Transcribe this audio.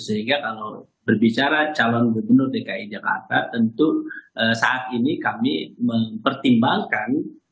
sehingga kalau berbicara calon gubernur dki jakarta tentu saat ini kami mempertimbangkan